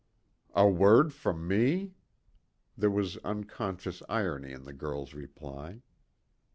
"A word from me?" There was unconscious irony in the girl's reply.